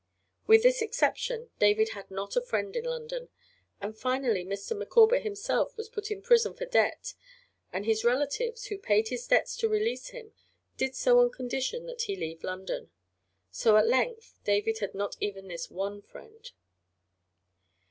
With this exception David had not a friend in London, and finally Mr. Micawber himself was put in prison for debt, and his relatives, who paid his debts to release him, did so on condition that he leave London. So at length David had not even this one friend.